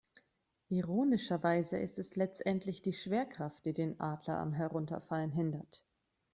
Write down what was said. Ironischerweise ist es letztendlich die Schwerkraft, die den Adler am Herunterfallen hindert.